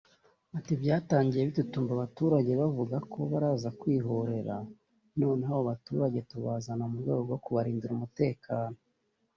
Ati "Byatangiye bitutumba abaturage bavuga ko baraza kwihorera noneho abo baturage tubazana mu rwego rwo kubarindira umutekano